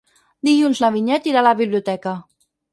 Dilluns na Vinyet irà a la biblioteca.